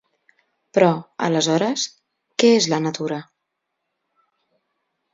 Però, aleshores, què és la natura?